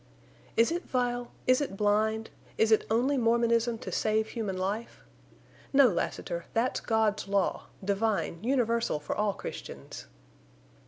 "Is it vile—is it blind—is it only Mormonism to save human life? No, Lassiter, that's God's law, divine, universal for all Christians."